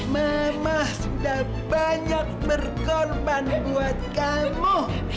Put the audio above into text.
mama sudah banyak berkorban buat kamu